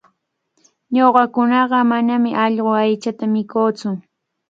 Ñuqakunaqa manami allqu aychata mikuutsu.